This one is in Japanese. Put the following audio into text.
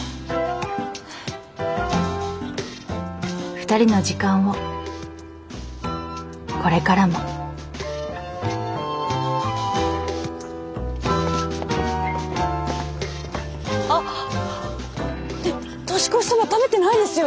２人の時間をこれからもあっ年越しそば食べてないですよ。